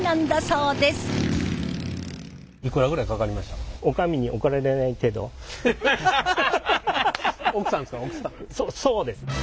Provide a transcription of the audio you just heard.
そうですね。